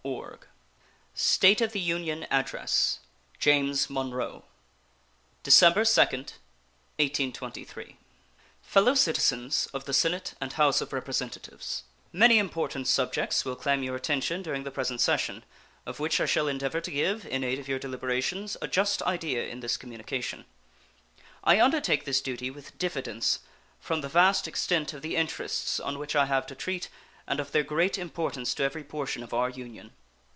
State of the Union Address James Monroe December 2, 1823 Fellow Citizens of the Senate and House of Representatives: Many important subjects will claim your attention during the present session, of which I shall endeavor to give, in aid of your deliberations, a just idea in this communication. I undertake this duty with diffidence, from the vast extent of the interests on which I have to treat and of their great importance to every portion of our Union.